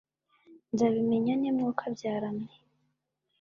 nzabimenya nte mwokabyara mwe